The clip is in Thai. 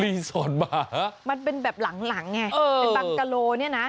รีสอร์ทหมามันเป็นแบบหลังหลังไงเออเป็นบังกะโลเนี่ยนะ